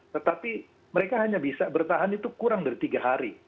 tetapi mereka hanya bisa bertahan itu kurang dari tiga hari